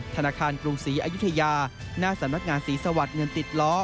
ธนาคารกรุงศรีอายุทยาหน้าสำนักงานศรีสวรรค์เงินติดล้อ